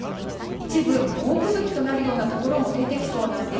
一部、猛吹雪となるようなところも出てきそうなんです。